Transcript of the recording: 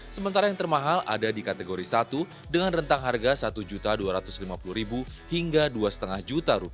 sementara yang termahal ada di kategori satu dengan rentang harga rp satu dua ratus lima puluh hingga rp dua lima juta